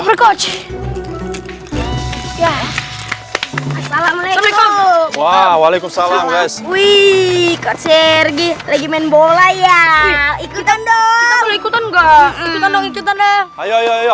walaikum salam walaikum salam wikor sergi lagi main bola ya ikutan dong ikutan gak